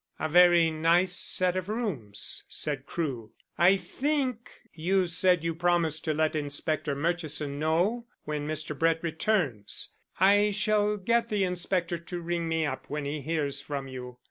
"A very nice set of rooms," said Crewe. "I think you said you promised to let Inspector Murchison know when Mr. Brett returns. I shall get the inspector to ring me up when he hears from you.